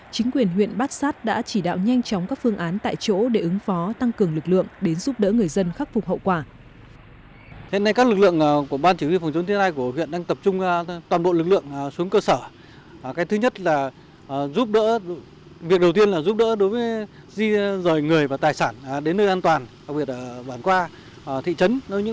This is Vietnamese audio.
chính quyền huyện bát sát đã chỉ đạo nhanh chóng các phương án tại chỗ để ứng phó tăng cường lực lượng đến giúp đỡ người dân khắc phục hậu quả